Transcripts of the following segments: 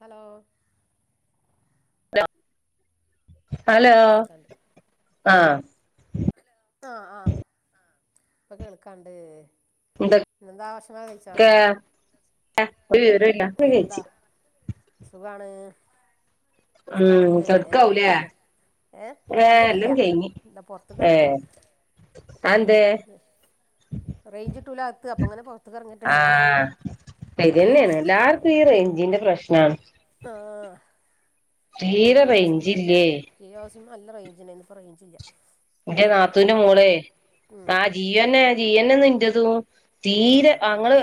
Hello hello ആഹ് hello ഇപ്പം കേൾക്കാണ്ട് ആഹ ആഹ് ആഹ് ഇപ്പൊ കേൾക്കാണ്ട് എന്തൊക്കെ എന്താ ഭക്ഷണം കഴിച്ചോ? ഒരു വിയവരല്ല എന്താ ചേച്ചി സുഖാണ് ഉം തിടുക്കവുലെ ഏയ് കിടന്നിട്ടില്ല എന്താ പുറത്തക്ക് ഇറങ്ങണ് ഏഹ് അതെന്തേ റേഞ്ച്കിട്ടൂല അത്ത് അപ്പൊ അങ്ങനെ പുറത്തക്ക് ഇറങ്ങിട്ട വെച്ചിട്ട് ആഹ് ഇതന്നെയാണ് എല്ലാർക്കും ഈ റെഞ്ചിന്റെ പ്രശ്നാണ് ആഹ തീരെ റേഞ്ചില്ലേ ജിയോ നല്ല റേഞ്ചിന ഇപ്പ റേഞ്ചില്ല എന്റെ പിന്നെ നാത്തൂവിന്റെ മ മോളെ ഉം ആ ജിയോതന്നെയാ ജിയോ നിന്റെതും തീരെ ആഹ് അങ്ങള്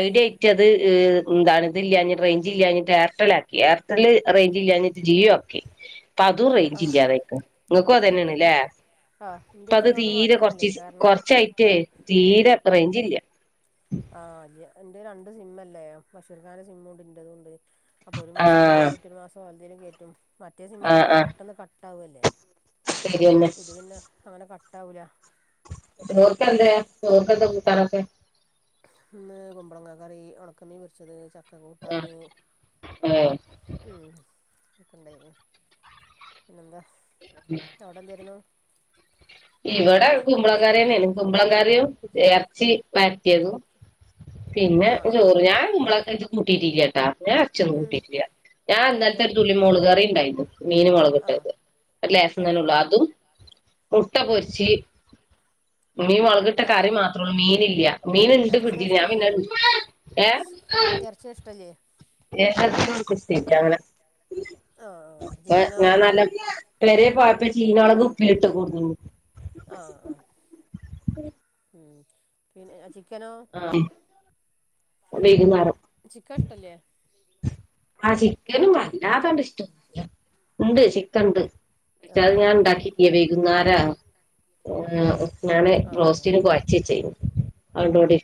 ഐഡിയ എടുത്തത് ഏ എന്താണ ഇല്ലാഞ്ഞ റേഞ്ച് ഇല്ലാഞ്ഞിട്ട് എയർടെൽ ആക്കി എയർടെല് റേഞ്ച ഇല്ലാഞ്ഞിട്ട് ജിയോ ആക്കി അപ്പ അതും റേഞ്ച് ആഹ് ഇല്ലാതെയാക്കണ് നിങ്ങൾക്കും അത് ആഹ് തന്നെയാണ്ല്ലേ ആഹ് അപ്പ ഇന്റെ അത് ജിയോന്ന് തീരെ മാറ്റാൻ കൊറച്ച് പറ്റില്ലേ കാരണം കൊറച്ചായിട്ട് തീരെ റേഞ്ച് ഇല്ല ആഹ് അ എന്റെ രണ്ട് സിം അല്ലേ മഷൂർഖാന്റെ സിമ്മുണ്ട് ഇൻറതും ഉ ണ്ട് അപ്പൊ ഒരു മാസം ആഹ് എന്തെേലും കയറ്റും ഒരു മാസംന്തേലും കയറ്റും മറ്റേ സിനിമ ഒക്കെ ആഹ് പിന്നെ ആഹ് പെട്ടെന്ന് കട്ടാവല്ലേ ശരിയെന്നെ ഇത് പിന്നെ അങ്ങനെ കട്ടാവൂല ർ കണ്ട അതെ കന്ത പോട്ടാരക്ക ഇന്ന് കുമ്പളങ്ങ കറി ഉണക്കമീൻ പൊരിച്ചത് ഒക്കെ ആഹ് കൂട്ടാന് ഏഹ് ഉ ഒക്കെണ്ടായിരുന്നു പിന്നെന്താ അവിടെ എന്തായിരുന്നു ഇവിടെ കുമ്പളകാരിന്ന കുമ്പളംകറും ഇറച്ചി വരട്ടിയതും പിന്നെ ആഹ് ആഹ് ആഹ് ചോറ് ഞാൻ കുമ്പളങ്ങക്കെ എത് കൂട്ടിയിട്ടില്ലാട്ടാ ഞാൻ അച്ഛന്നും ഉം കൂട്ടിയിട്ടില്ല ഞാൻ ആഹ് എന്ത് ഇന്നലത്തെ ഒരു തുള്ളി മോര് കയറി ഉണ്ടായിരുന്നു മീൻ ആഹ് മുളകിട്ടത് ലേസം ആഹ് തന്ന ഉള്ളൂ ആഹ് അതും മുട്ട ഉം പൊരിച്ച് മീൻ മു ളകിട്ട അപ്പെന്താ കറി മാത്രേള്ളൂ മീനില്ല മീൻ ഉണ്ട് ഫ്രിഡ്ജ്ജി ഞാൻ പിന്നെ ഏ ഇറച്ചി ഇഷ്ടല്ലേ അങ്ങനെ ആഹ് ആഹ് അപ്പ ചിക്കനോ ഞാൻ നല്ല പേരെ പോയപ്പ ീന അളകക് പീട്ട് കൊടുണ്ട് [unintelligible] ആഹ ആഹ ആഹ ഉ പിന്ന അ ചിക്കനോ വൈകുന്നേരം ചിക്കൻ ഇഷ്ട്ടല്ലേ ആ ചിക്കനും വല്ലാതാണ്ട് ഇഷ്ടമില്ല ഉണ്ട് ചിക്കൻ ഉണ്ട് പക്ഷേത് ആഹ് ഞാൻ ഉണ്ടാക്കിട്ട വൈകുന്നര ആഹ് ഞാന് ആഹ് ആഹ് റോസ്റ്റിന് കുഴച്ച ചെയ്യുന്നത് അതൂടി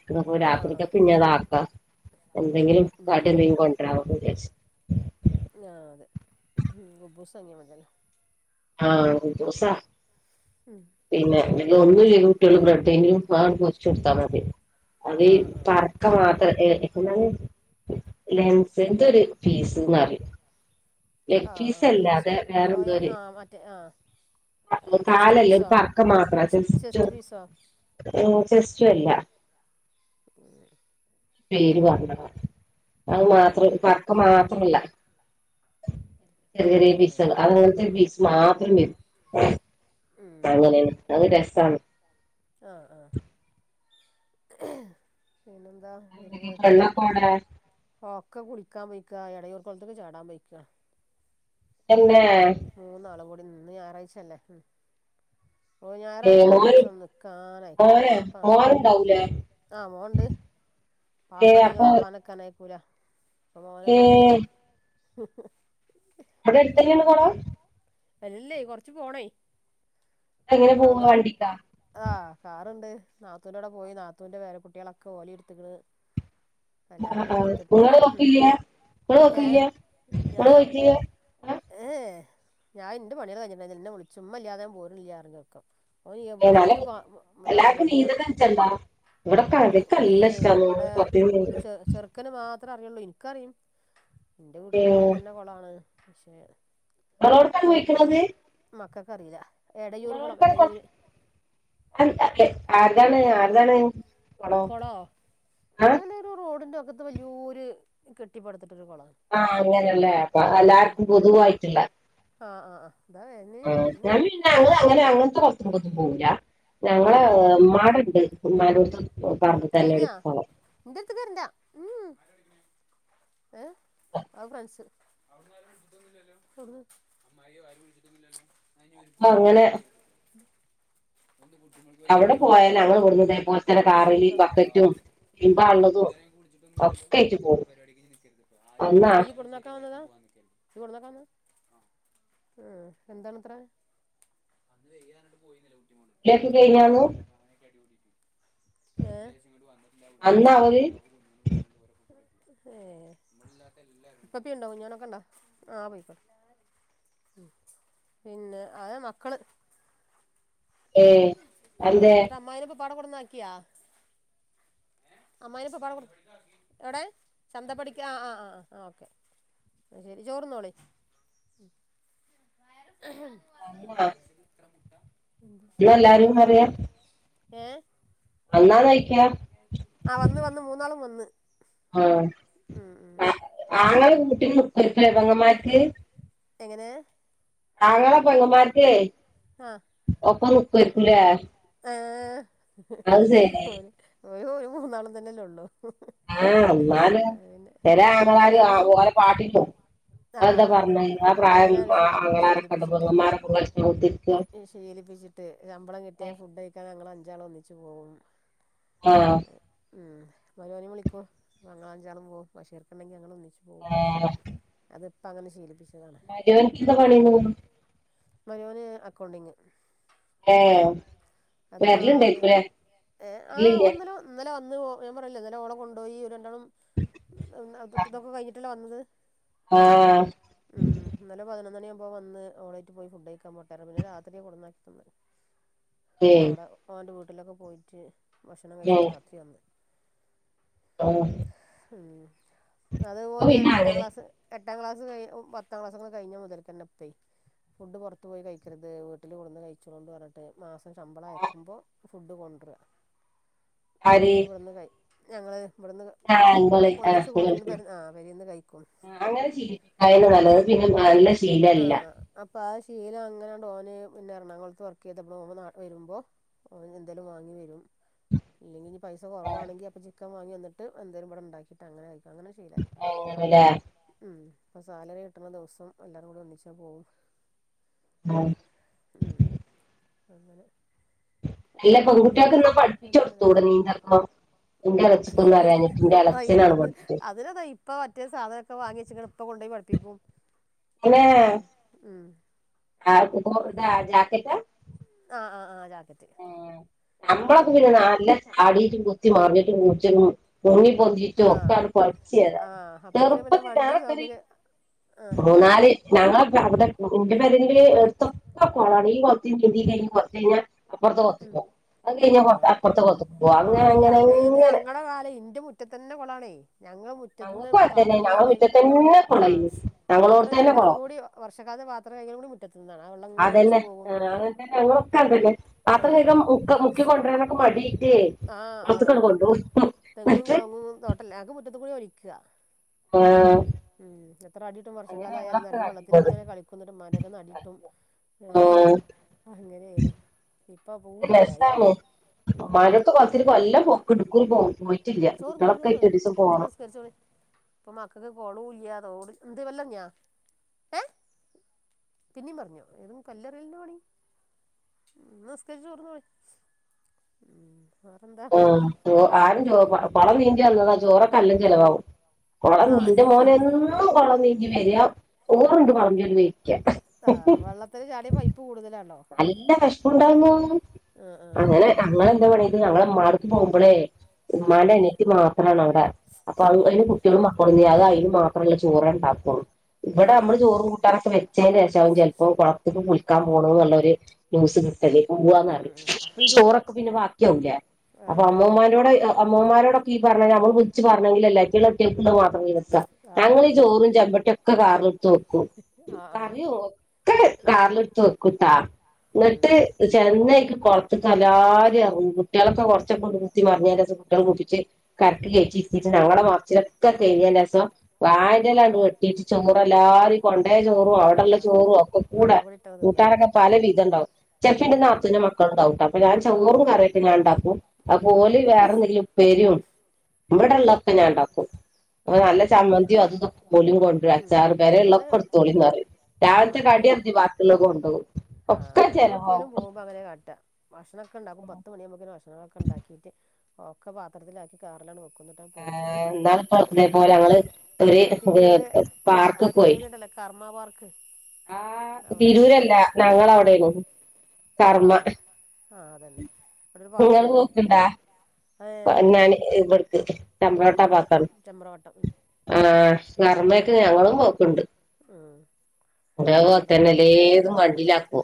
ആഹ് ആഹ് രാത്രികൊക്കെ പിന്നെതാക്ക എന്തെങ്കിലും കാട്ടി എന്തെുംണ്ട [unintelligible] ആ അതെ ഒബ്ബൂസങ്ങിയ മതില്ലോ ആഹ ദോസ പിന്നെ ഇ ഒന്നും ഇല്ലെങ്കിൽ മുട്ടയും ബ്രെഡും പൊരിച്ചുകൊടുത്താൽ മതി അത് ആഹ് ആഹ് പറക്ക മാത്രം ലെൻസിന്റെ ഒരു ഫീസ്ന്ന്റ ആഹ ആഹ് സ് സ്വയം ആഹ് മറ്റേ ആഹ് ചെസ്റ്റ് കാലല്ലേ ഒരു പീസോ പക്ക മാത്രം ജെസ്റ്റ്‌ ചെസ്റ്റ് പീസോ ച്ചല്ല [unintelligible] പേര് പറഞ്ഞതാ അഹ് മാത്രം പടക്ക മാത്രല്ല ചെറ്യേ ചെറ്യേ പീസെള് അങ്ങൻത്തെ പീസ് മാത്രം വരും അങ്ങനെണ് അത് രസാണ് ആഹ ആ പിന്നെന്താ ഈ ഇങ്ങള് പെണ്ണക്കോടെ ഒക്കെ കുളിക്കാൻ പോയി ക്ക എളയൂർ [unintelligible] കൊളത്ത്ക്ക് ചാടാൻ പോയ്ക്കാ എന്നെ ഉം ഇന്ന് ഞാറാഴ്ചല്ലേ ഉം ഓ ഏ ഞാറാഴ്ചരു മോന് ദിവസം നിക്കാനയിക്കൂല മോന് പാപ്പങ്ങട്ട് മോനുണ്ടാവൂലേ ആ മോ ണ്ട് ഏ പാപ്പണ്ടങ്കിൽ അപ്പൊ പാപ്പാനെ നിക്കാനയി ക്കൂല അപ്പ ഏ മോനല്ലെ ള്ളത് അവിടെ എട്ത്തന്നാണോ കട. അല്ലേ കൊറച്ച് പോണേ എങ്ങനെ എന്നിട്ട് പോവാ വളന്നാ വണ്ടിക്കാ ആ കാറ്ണ്ട് നാത്തൂന്റെടെ പോയി നാത്തൂന്റെ പേര കുട്ട്യേളൊക്കെ ഓലിം ഇട്ത്ത്ക്ക്ണ് ആ ആ നിങ്ങള് നോക്കില്ല നിങ്ങള് നോക്കില്ല ഏഹ് നിങ്ങള് ഞാനോ നോക്കില്ല ആ ഏഹ് ഞാൻ ഇന്റെ പണികള് കയിഞ്ഞിട്ട്ണ്ടായിരുന്നില്ല ഇന്നേ വിളിച്ചു ഇമ്മല്ലാതെ ഞാ പോര്ല്ലാറിഞ്ഞ് ഒരുതം ഓൻ ഏ നല്ല എവ്ട്ക്ക് പാ ബുദ്ധി ഇതാക്കുമ്പോ ന്നാ ഇവിടെ കട്ക്ക നല്ല ഇഷ്ട്ടാ മോൾക് പത്തിരി മോരും അത്ര അറിയൊള്ളൂ ഇൻക്കറിയും എന്റെ ഏ വീട്ടിൽ മുറ്റത്തന്നെ കൊളാണ് പക്ഷെ നിങ്ങളോട് കഞ്ഞിക്ക്ണോ അത് നിങ്ങൾക്ക് അറീല നിങ്ങളോട്ക്ക് കൊള ആര്താണ് ആര്താണ് ഇങ്ങളോ കൊളോ ആഹ് അതങ്ങനെ ഒരു റോഡിന്റെ വകത്ത് വല്ല്യോര് കെട്ടിപ്പടുത്ത് ആഹ അങ്ങനെല്ലേ അപ്പം എല്ലാർക്കും പൊതുവായിട്ട്ള്ള ആഹ് ആഹ് ആഹ് ഇതാ വരുന്ന് ആ ഞാൻ വരുന്നുണ്ട് പിന്നെ ഞങ്ങള് അങ്ങനെ അങ്ങനത്തെ പൊറ്ത്ത്ക്കൊന്നും പോവുല ഞങ്ങള് ആഹ് ആഹ് മാട്ണ്ട് ഉമ്മാനടുത്ത് പറമ്പ് തന്നെണ് കഴിഞ്ഞാ കൊളം എന്റെ അടുത്തേക്ക് വരണ്ട ഏ അഹ്ഫ്രണ്ട്‌സ് ഔട്ന്ന് ആരും എട്തിട്ടൊന്നുലല്ലോ ഔട്ന്ന് അമ്മായി ആരും എട്ത്ട്ടൊന്നുലല്ലോ അപ്പ അങ്ങനെ അവടെ പോയാല് ഞങ്ങള് ഇവ്ട്ന്ന് ഇതെ പ്പോലെതന്നെ കാറ്ല് എല്ലാരും തന്നെ ഇതെവരെ കുളിച്ചിട്ടൊന്നുലല്ലോ ഒക്കായിട്ട് പോകും അന്ന് നീ കൊണന്നാക്കാൻ വന്നതാ കൊണന്നാക്കാൻ വന്നതാ ആഹ എന്താണിത്ര എല്ലാർക്കും കഴിഞ്ഞാണു അന്നാ അവര് ഏ ഇപ്പപ്പി കുഞ്ഞാനൊക്കെ ഇണ്ടോ ആഹ പോയിക്ക്ണ് പിന്നെ അഹ് മക്കള് ഏ എന്തേ പാട കൊണ്ടന്നാക്ക്യോ അമ്മായിടെ സ്വഭാവം എടെ ചന്ത പഠിക്ക ആ ആ ആ ആ ഓക്കെ ശരി ചോറ്ന്നോളി തന്നെ ഏ എന്നാണയ് ആ വന്ന് വന്ന് മൂന്നാളും വന്ന് ആഹ ഉം ഉം ആ ആളെ മുഊട്ട മുക്കക്കപെ ങ്ങമാർക്ക് എങ്ങനെ അങ്ങളേം പെങ്ങമ്മാർക്കേ ആ [unintelligible] ആ അത് ശരി ഒരു ഒരു ഒരു മൂന്നാളും തന്നെല്ലേ ഉള്ളു ആ എന്നല് ചില ആങ്ങളമാര് ആ അതങ്ങനെയാണ് ശീ പോ ഓലെ പാട്ടിക്ക് പോകും അ എന്താ ആഹ് അതെ പറഞ്ഞ ആ പ്രായം അതങ്ങനെയാണ് ശീലി ആങ്ങള ശീലിപ്പിച്ചിട്ടേ രൊക്കെണ്ടപെങ്ങളെമാരിക്ക കുത്തിയിരിക്ക ശീലിപ്പിച്ചിട്ട് ശമ്പളം കിട്ടിയാ ഫുഡ് കഴിക്കാൻ ഞങ്ങൾ അഞ്ചാൾ ഒന്നിച്ച് പോവും ആ [unintelligible] ഏ അതിപ്പ അങ്ങനെ ശീലിപ്പിച്ചു മരു മകനക്ക് എന്താ പണിന്ന് തോന്നുന്നു മരുമോന്ന് അക്കൗണ്ടിങ് ഏ അത് മാ വരലുണ്ടായിരിക്കുല്ലേ പിന്നെഏ ആഹ് വരലില്ലേ ഒന്ന ഒന്നല ഒന്ന് ഞാൻ പറയില്ല എന്നലെ ഓള കൊണ്ടുപയി ഒരു രണ്ടാളും തട്ടതൊക്കെ കഴിഞ്ഞിട്ടല്ലേ വന്നത് ആ ഇ വന്ന് ഓളേറ്റ് പോയി ഫുഡ് കഴിക്കാൻ പോട്ടാര പിന്നെ രാത്രി കൊടന്നാക്കി തന്ന ഏയ് അവിടെ ഓന്റെ വീട്ടിലൊക്കെ പോയിട്ട് ഭക്ഷണം കഴിച്ചിട്ട് ഏഹ് രാത്രി വന്ന് [inaudible] അത് ഓ ഒരു പിന്നെ എട്ടാം അങ്ങനെ ക്ലാസ്സ് എട്ടാം ക്ലാസ് ക പത്താം ക്ലാസ്സ കഴഞ്ഞ മുതൽ തന്നെപ്പേ ഫുഡ് പുറത്തു പോയി കഴിക്കരുത് വീട്ടില്വന്ന് കഴിച്ചണ്ട് പറഞ്ഞിട്ട് മാസ് സം ശമ്പളം അയക്കുമ്പോൾ ഫുഡ് കൊണ്ടുവരിക ഇവിടുന്ന് കൈ ഞങ്ങൾ ആ അൻപോള ആ പെരീന്ന് കഴിക്കും ആ അങ്ങനെശീലിപ്പിക്കായിരുന്നു നല്ലത് പിന്നെനല്ലഷ് ആ അപ്പൊ ശീലം അങ്ങനെയണ്ടോന് പിന്നെ എറണാകുളത്ത് വർക്ക് ചെയ്തപ്പ ഓ നാട്ടിൽ വരുമ്പോ ഓന് എന്തെലും വാങ്ങി വരും അല്ലെങ്കിൽ ഇനി പൈസ ആ, കുറവാണെങ്കിൽ അപ്പോൾ ചിക്കൻ വാങ്ങി വന്നിട്ട് എന്തങ്കും ഇവി ഉണ്ടാക്കിട്ട് അങ്ങന ആയിരിക്കും അങ്ങനെ ശീലായി അങ്ങനെല്ലേ ഉ ഇപ്പോ സാലറി കിട്ടുന്ന ദിവസംല്ല നമ്മളും ഒന്നിച്ചാ പോകു വ ആ [unintelligible] നല്ല പെൺകുട്ടികൾക്കെന്നാ അൽഹംദുലില്ലാഹ് പഠിപ്പിച്ച കൊടുത്തൂടെ നീന്തക്കോ അ പഠിപ്പിച്ചത് അതിനതാ ഇപ്പൊ മറ്റേ സാധനമൊക്കെ വാങ്ങി വെച്ചകണ് ഇപ്പൊ കൊണ്ടുപോയി പിന്നെ വെള്ള [unintelligible] [unintelligible] ആ ആ ജാക്കറ്റ് ആ നമ്മളൊക്കെ അതന്നെ പിന്നെ നല്ല ചാടീട്ടും കുത്തി മാറിഞ്ഞിട്ടും മൂച്ചു മുങ്ങിപൊന്തിയിട്ടും ഒക്കെ ആഹ് ആണ് പഠിച്ചത് ആഹ് അപ്പക്കിന് പിന്നെ ചെറുപ്പത്തിൽ വണ്ടി ഞാൻ സൗകര്യം ആഹ് മൂന്നാല് ഞങ്ങള അവിടെ എന്റെ പേരില് എഴുത്തൊക്കെ കൊളാണ് കോലത്തി കൊറച്ച് കഴിഞ്ഞാൽ അപ്പർത്ത് വ ആ ആടിയ അങ്ങനെ അങ്ങനെന്ന് അങ്ങനെ ഞങ്ങളടെ കാല ഇന്റെ മുറ്റത്തന്നെ കൊള്ളാണേ ഞങ്ങൾ മുറ്റത്ത്ന്ന് ഞങ്ങൾക്ക് അതന്നെ പാത്രം ഞങ്ങളെ മുറ്റത്ത് തന്നെ ആ കുളയിന് ഞങ്ങളോട് പാത്രം തന്നെ കഴുകലും കുളം കൂടി വർഷക്കാല പാത്രം കഴുകലും കൂടിമുറ്റത്ത്ന്നാണ് ആ വെള്ളം അങ്ങനെ ഒലിച്ചു അതന്നെ പോകും ആ, അത്ര വേഗം ആഹ് മുക്ക മുക്കി കൊണ്ടരാനൊക്കെ മടിയില്ലേ ആഹ് ആഹ് ഉമ്മറത്തേക്കങ്ങ് കൊണ്ടോയി തെങ്ങും കോങ്ങും തോട്ടല്ല അങ് മുറ്റത്ത് കൂടി ഒലിക്കുക ആഹ ഉം എത്ര അടിയിട്ടും വർഷകാല ആയാലുംറകി വെള്ളത്തിൽ കാട്ടിയിരുന്നത് ഇങ്ങനെ കളിക്കുന്നുിട്ട്മാരക്കെ അടിട്ടും ആ, അങ്ങനൊയിതു ഇപ്പ ഊതിയായി അമ്മാനൊക്കെ കൊത്തി കൊല്ലാം പൊക്കടുക്ക പോ പോയി പറ്റില്ല ചോറുന്നോ നിങ്ങളൊക്കെ ചോറുന്നോ ഏറ്റ ദിവസം പോണം ക്കക്ക് കൊളല്ലതോട് എന്ന്ത് വല്ല ഞാ ഏ പിന്നീ പറഞ്ഞോ ഏതും കല്ലറിൽന്ന മണി നസ്കരിച്ചഓർന്നണി ആ ആരുംോ പളം നീന്ണ്ട വന്നതാ ചോറൊക്കെ എല്ലാം ചെിലവാവും കൊളം ആ നീന്റെ മോനും കൊളം നീതിി വരിക ഓറുണ്ട് പറരുപയോഗിക്ക ആ വെള്ളത്തിന് ചാടിയ പൈപ്പ് കൂടുതലാണോ നല്ല കഷ ണ്ട ആ ആ അങ്ങനെ ഞങ്ങ എന്താ വേണത് ഞങ്ങള അമ്മാർക്ക് പോകുമ്പോളേ ഉം ഉമ്മാന്റെ അനത്തി മാത്രമാണ് അവിടെ അപ്പൊ അന് കുട്ടികളും മക്കള അ അയിന് മാത്രം ചോറ് ഉണ്ടാക്ക ആ ഇവിടെ ആ നമ്മള് ചോറ് കൂട്ടാനൊക്കെ വെച്ചതിന് ശും ച അപ്പോ കുളത്തക്ക് കുലക്കാൻ പോകണ എന്നുള്ളരു ന്യൂസ് കിട്ട ശരി ഉം പോവാറിഈ ഉം ഉം ഉം ചോറൊക്കെ പിന്നെ ബാക്കിയാവില്ല ആ അപ്പൊ അമ്മമാരോട് അമ്മമാരോടൊക്കെ പറഞ്ഞ നമ്മ വിളച്ച് പറഞ്ഞെങ്കല്ലേ കേ ഒത്തി ക്ക ആ ആ ഞങ്ങീ ആ ചോറും ചെമ്പട്ടിയ ഒക്കെ കാറിടുത്ത് വെക്കും ആഹ് ആഹ് കറിയോ ക കാർലടുത്ത് വോക്കൂത്ത ന്നട്ട് ചെന്നൈക്ക് കൊളത്ത് ക്ക്എല്ലാരും റങ്ങും കുട്ടികളൊക്കെ കൊറച്ച് [unintelligible] കുത്തിമറിഞ്ഞ് അയിലേ സംകുട്ടോ ളെ കുളിപ്പിച്ച് കര കേറ്റി രി ത്തീട്ട് ഉം ഉം ഞങ്ങളെ ഉം മറച്ചിലൊക്കെ തൈ ഞ്ഞേറ്റ സം ഉം വായന്റലാട്ട് വെട്ടിട്ട് ചോറ് എല്ലാരും കൊണ്ടേ ചോറും ആഹ് അവിടെള്ള ചോറും ഒക്കെ ആഹ് കൂടാ കൂടി ഇട്ടത് തിന്നുല്ലേ കൂട്ടാനൊക്കെ പല വിധ ഇത്ണ്ടാകുംചെൽപ്പം ഉം ന്റെനാത്തുന്റെ മക്കള ഉണ്ടാവു ട്ടോഅപ്പൊഞൻ ചോറ് കറിക്കെ ഞാൻ ണ്ടാ ക്കും അപ്പം ഉം ഓല് വേറെ എന്തെങ്കിലും ഉ പേരിംഇവിടെ ഉള്ളൊക്കെ ഞാൻ ഉണ്ടാക്കും ന്നാ നല്ല ആഹ് ജമന്തിയോ അതും തും ഓലും കൊണ്ടരും ഉം അച്ചാറ് പെരെ ള്ളെ ഞങ്ങള് ക്കെട്ത്തോളി അറിം ആഹ് രാവൽത്തെ കടി ർച്ച്ഭാക്കിള്ള കൊണ്ടോവും ആ ഒക്കെ നങ്ങളെ ട് കേലും ചെലവാവും പോകുമ്പോ അങ്ങനെകാ ട്ടാഭക്ഷൊക്കെണ്ടാക്കും പത്ത് മണിയുമ്പോക്കും ഭക്ഷണം ണങ്ങളൊക്കെ ഉണ്ടാക്കിയിട്ട് ഒക്കെ പാത്രത്തിലാക്കി കാറിലാണ്ട് വെക്കു ന്ന ട്ടാ പോകും ഞങ്ങൾ [unintelligible] പോലെ ങ്ങള് ഒരു പാർക്ക് പോയി വർമ്മ പാർക്ക് ആ അവിടെ ഉം തിരൂരല്ല ഞങ്ങവിടെണ് ആആ അതന്നെ ഇവിട ഒരു നിങ്ങള് പാർക്ക്ല്ലേ പോക്ക്ണ്ടാ ഞാൻ ഇവിടുക്ക് ഉം ചമ്പ്രോട്ട ആ പാത്താണ് ചമ്രവട്ടം ഉം ആ സർമ്മയൊക്കെ ഞങ്ങളും പോക്കണ്ട് ആ അതെ പോലതന്നെ ഏതും വണ്ടയിലാക്കു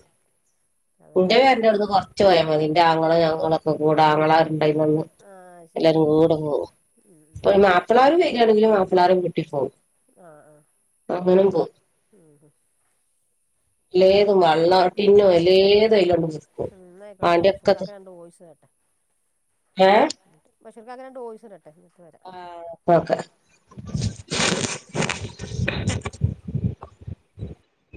അതന്നെ ഇന്റെ കാട്ട പെരന്റെ ഔടുന്ന് കൊറച്ച് പോയാൽ മതി ഇന്റെ ആങ്ങളും ഞങ്ങള ഒക്കെ കൂടെ ആങ്ങളാരുണ്ടായ്ന്നു ആഹ് ശരി എല്ലാരും ഉം കൂടെ ഉം ഉം പോവും മാപ്പിളാരും വെരാണെങ്കിലും മാപ്പിളാരും കൂട്ടി പോവും ആ ആ ഉം ലേ [unintelligible] വെള്ളം ഉം ടിന്നോ ലേ ഏത് അയിലോണ്ട് കൊടുക്കും ഉം എന്നായിക്കോട്ടെ ഞാൻ വണ്ടിയൊക്കെ ത് ബഷീർക്കാക്ക രണ്ട് വോയിസ് ഏ ബഷീർക്കാക്ക് രണ്ട് വോയ്സ് ഇടട്ടെ ഇന്നട്ട് വരാ ഓക്കെ